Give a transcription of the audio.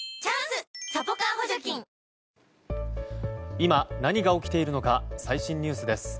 今、何が起きているのか最新ニュースです。